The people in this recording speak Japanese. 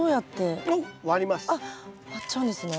あっ割っちゃうんですね。